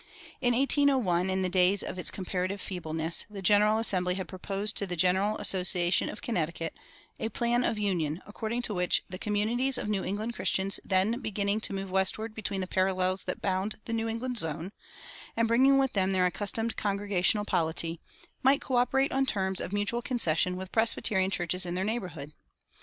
In 1801, in the days of its comparative feebleness, the General Assembly had proposed to the General Association of Connecticut a "Plan of Union" according to which the communities of New England Christians then beginning to move westward between the parallels that bound "the New England zone," and bringing with them their accustomed Congregational polity, might coöperate on terms of mutual concession with Presbyterian churches in their neighborhood.